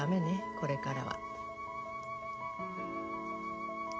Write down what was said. これからは。